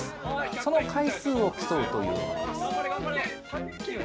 その回数を競うというものです。